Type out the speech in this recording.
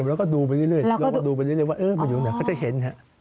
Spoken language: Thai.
ส่องไปทางรูจมูกแล้วก็ดูไปเรื่อยว่าเออมันอยู่นี่ก็จะเห็น